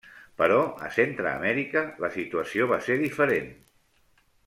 Però a Centreamèrica la situació va ser diferent.